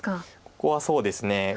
ここはそうですね。